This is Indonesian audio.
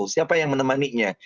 siapa yang menemani nya